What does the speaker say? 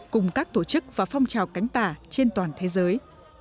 cùng các tổ chức và phong trào cánh tả trên toàn thế giới